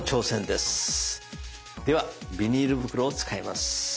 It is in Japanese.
ではビニール袋を使います。